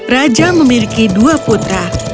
raja memiliki dua putra